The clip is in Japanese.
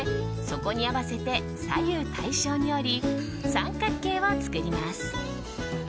そこに合わせて左右対称に折り三角形を作ります。